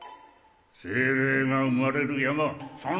精霊が産まれる山さん